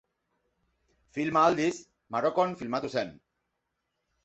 Filma aldiz Marokon filmatu zen.